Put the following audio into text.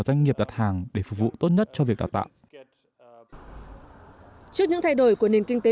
nhà trường khách hàng để phục vụ tốt nhất cho việc đào tạo trước những thay đổi của nền kinh tế